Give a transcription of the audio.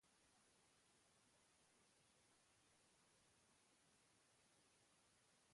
Sumendiaren kraterra urez beteta dago.